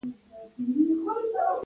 د بني ادم د دې نړۍ اړتیاوې پوره کاندي.